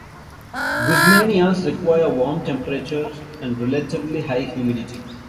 Guzmanias require warm temperatures and relatively high humidity.